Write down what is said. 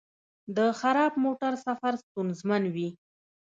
د خراب موټر سفر ستونزمن وي.